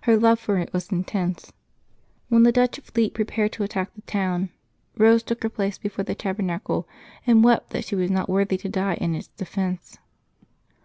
Her love for it was intense. When the Dutch fleet prepared to attack the town. Rose took her place before the tabernacle, and wept that she was not worthy to die in its defence.